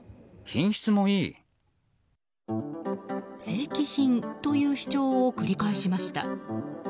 正規品という主張を繰り返しました。